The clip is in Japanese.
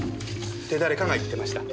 って誰かが言ってました。